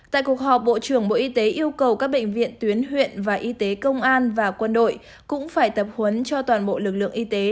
tại cuộc họp bộ trưởng bộ y tế yêu cầu các bệnh viện tuyến huyện và y tế công an và quân đội cũng phải tập huấn cho toàn bộ lực lượng y tế